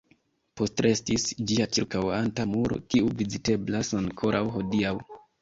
Postrestis ĝia ĉirkaŭanta muro, kiu viziteblas ankoraŭ hodiaŭ.